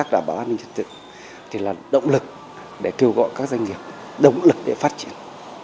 động lực để kêu gọi các doanh nghiệp động lực để phát triển